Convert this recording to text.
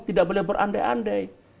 tidak boleh berandai andai